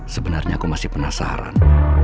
sebenarnya aku masih penasaran